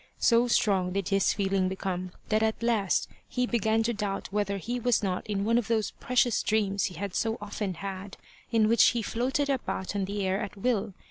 So strong did his feeling become, that at last he began to doubt whether he was not in one of those precious dreams he had so often had, in which he floated about on the air at will.